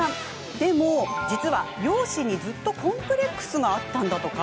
でも、実は容姿にずっとコンプレックスがあったんだとか。